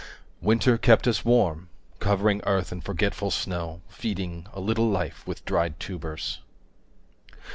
Winter kept us warm, covering 5 Earth in forgetful snow, feeding A little life with dried tubers.